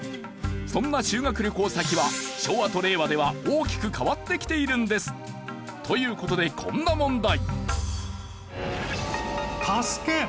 そんな修学旅行先は昭和と令和では大きく変わってきているんです。という事でこんな問題。